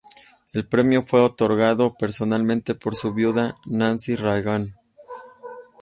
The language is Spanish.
El premio fue otorgado personalmente por su viuda, Nancy Reagan.